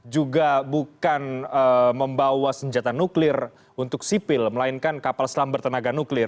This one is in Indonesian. juga bukan membawa senjata nuklir untuk sipil melainkan kapal selam bertenaga nuklir